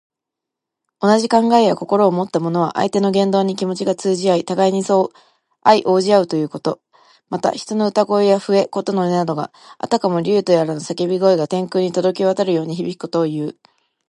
同じ考えや心をもった者は、相手の言動に気持ちが通じ合い、互いに相応じ合うということ。また、人の歌声や笛・琴の音などが、あたかも竜やとらのさけび声が天空にとどろき渡るように響くことをいう。